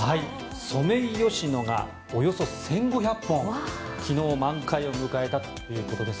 ソメイヨシノがおよそ１５００本昨日、満開を迎えたということです。